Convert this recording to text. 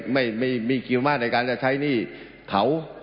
ไม่มีวิธีมากในการใช้หนี้เข้า